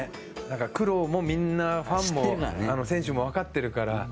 苦労も、みんなファンも選手もわかってるから。